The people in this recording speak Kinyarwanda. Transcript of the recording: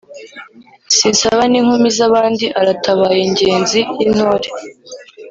Sinsaba n,inkumi zabandi Aratabaye Ingenzi y'Intore